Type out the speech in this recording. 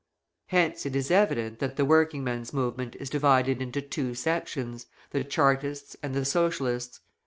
Hence it is evident that the working men's movement is divided into two sections, the Chartists and the Socialists.